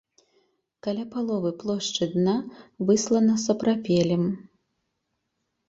Каля паловы плошчы дна выслана сапрапелем.